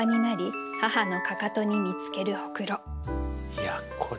いやこれ。